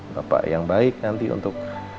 bapak yang baik nanti untuk